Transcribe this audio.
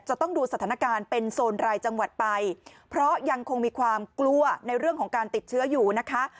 จะต้องดูสถานการณ์เป็นโซนรายจังหวัดไปเพราะยังคงมีความกลัวในเรื่องของการติดเชื้ออยู่นะคะ